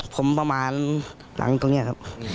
ผมประมาณหลังตรงนี้ครับ